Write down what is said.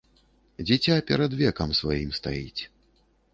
Дзіця перад векам сваім стаіць.